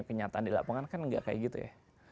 kenyataan di lapangan kan nggak kayak gitu ya